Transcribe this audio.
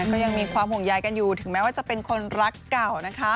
ก็ยังมีความห่วงใยกันอยู่ถึงแม้ว่าจะเป็นคนรักเก่านะคะ